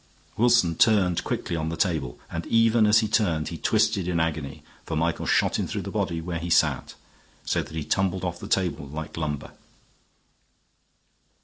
Wilson turned quickly on the table, and even as he turned he twisted in agony, for Michael shot him through the body where he sat, so that he tumbled off the table like lumber.